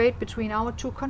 được tổ chức